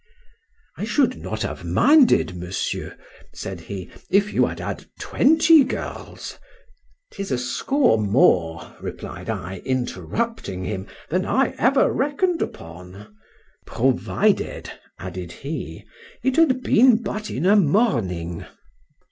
I should not have minded, Monsieur, said he, if you had had twenty girls—'Tis a score more, replied I, interrupting him, than I ever reckon'd upon—Provided, added he, it had been but in a morning.